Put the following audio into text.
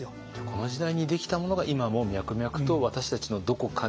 この時代にできたものが今も脈々と私たちのどこかに。